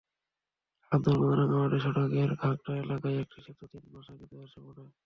বান্দরবান-রাঙামাটির সড়কের ঘাগড়া এলাকায় একটি সেতু তিন মাস আগে ধসে পড়ে।